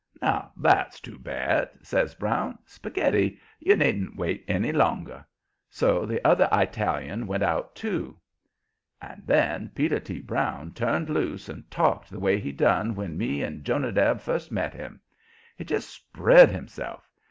"Now that's too bad!" says Brown. "Spaghetti, you needn't wait any longer." So the other Italian went out, too. And then Peter T. Brown turned loose and talked the way he done when me and Jonadab first met him. He just spread himself.